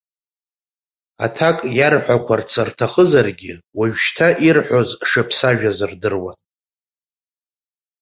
Аҭак иарҳәақәарц рҭахызаргьы, уажәшьҭа ирҳәоз шыԥсажәаз рдыруан.